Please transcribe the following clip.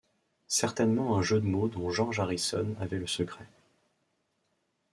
Certainement un jeu de mots dont George Harrison avait le secret.